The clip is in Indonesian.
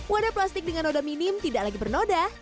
wadah plastik dengan roda minim tidak lagi bernoda